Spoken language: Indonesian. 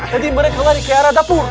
mereka lari ke arah dapur